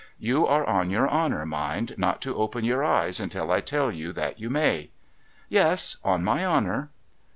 ' You are on your honour, mind, not to open your eyes until I tell you that you may ?'' Yes ! On my honour.'